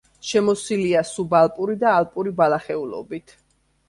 შემოსილია სუბალპური და ალპური ბალახეულობით.